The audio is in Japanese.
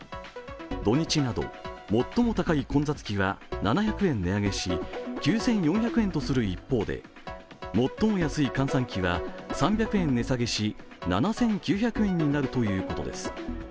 土日など最も高い混雑期は７００円値上げし、９４００円とする一方で、最もやすい閑散期は３００円値下げし、７９００円になるということです。